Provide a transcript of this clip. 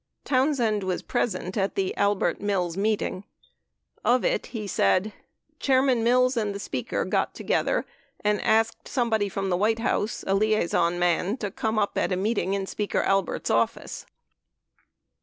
Townsend was present at the Albert Mills meeting. Of it, he said : "Chairman Mills and the Speaker got together and asked somebody from the White House, a liaison man, to come up at a meeting in Speaker Albert's office."